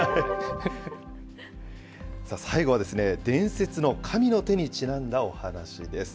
最後は、伝説の神の手にちなんだお話です。